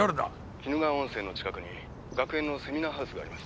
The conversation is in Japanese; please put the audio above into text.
「鬼怒川温泉の近くに学園のセミナーハウスがあります」